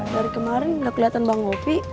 dari kemarin ga keliatan bang gopi